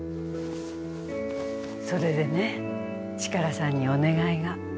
それでねチカラさんにお願いが。